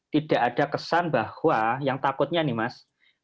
tidak ada kesan bahwa yang takutnya nih mas